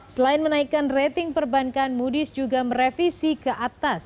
selain menaikkan rating perbankan moody's juga merevisi ke atas